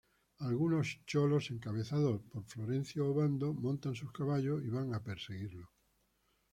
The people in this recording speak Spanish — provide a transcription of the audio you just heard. Algunos cholos, encabezados por Florencio Obando, montan sus caballos y van a perseguirlo.